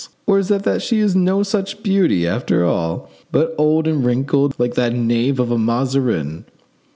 Or is it that she is no such beauty, after all, but old and wrinkled, like that knave of a Mazarin?"